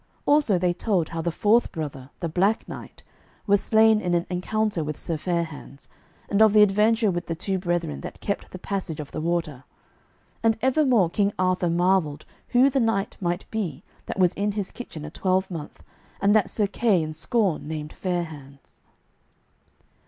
Also they told how the fourth brother, the Black Knight, was slain in an encounter with Sir Fair hands, and of the adventure with the two brethren that kept the passage of the water; and ever more King Arthur marvelled who the knight might be that was in his kitchen a twelvemonth and that Sir Kay in scorn named Fair hands.